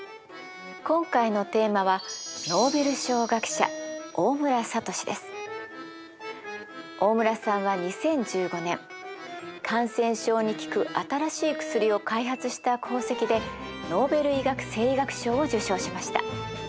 今回のテーマは大村さんは２０１５年感染症に効く新しい薬を開発した功績でノーベル医学・生理学賞を受賞しました。